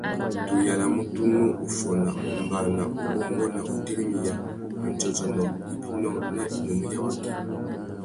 Tu yānamú tunu uffôna, wombāna, uwôngô na utirimiya andjôdjônô, ibinô na inúnú ya waki.